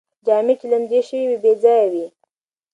جامې چې لمدې شوې وې، بې ځایه وې